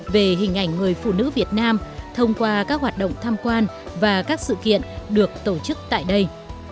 về hình ảnh người phụ nữ việt nam thông qua các hoạt động tham quan và các sự kiện được tổ chức tại đây